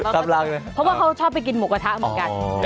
กำลังเลยเพราะว่าเขาชอบไปกินหมูกระทะเหมือนกัน